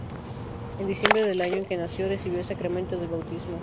En diciembre del año en que nació, recibió el sacramento del Bautismo.